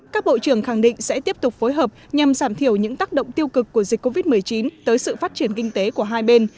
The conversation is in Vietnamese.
các bộ trưởng khẳng định sẽ tiếp tục phối hợp nhằm giảm thiểu những tác động tiêu cực của dịch covid một mươi chín tới sự phát triển kinh tế của hai bên